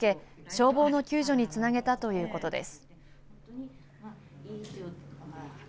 消防の救助につなげたということです。